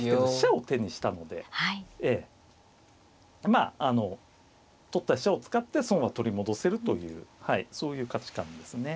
まああの取った飛車を使って損は取り戻せるというそういう価値観ですね。